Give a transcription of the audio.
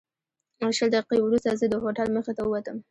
شل دقیقې وروسته زه د هوټل مخې ته ووتم.